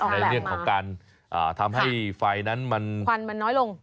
ในเรื่องของการทำให้ไฟนั้นมันควันมันน้อยลง